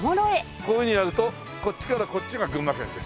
こういうふうにやるとこっちからこっちが群馬県です。